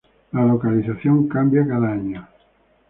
La localización cambia cada año.